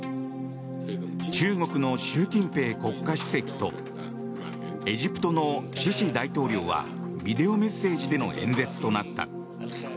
中国の習近平国家主席とエジプトのシシ大統領はビデオメッセージでの演説となった。